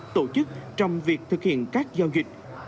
tổ chức trong việc thực hiện các giao dịch